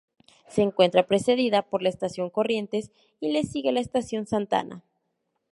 Se encuentra Precedida por la Estación Corrientes y le sigue la Estación Santa Ana.